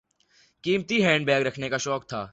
قیمتی handbag رکھنے کا شوق تھا۔